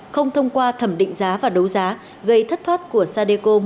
không thông qua thẩm định giá và đấu giá gây thất thoát của sadecom